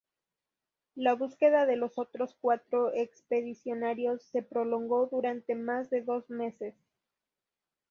La búsqueda de los otros cuatro expedicionarios se prolongó durante más de dos meses.